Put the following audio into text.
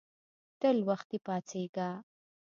تل وختي پاڅیږه